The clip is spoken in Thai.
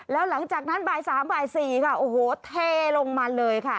แล้วหลังจากนั้นบ่าย๓บ่าย๔ค่ะโอ้โหเทลงมาเลยค่ะ